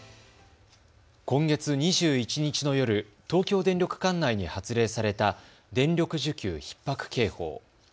今月２１日の夜、東京電力管内に発令された電力需給ひっ迫警報。